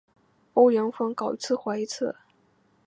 埃尔斯特河畔克罗森是德国图林根州的一个市镇。